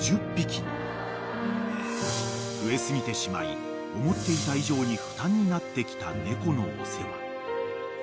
［増え過ぎてしまい思っていた以上に負担になってきた猫のお世話］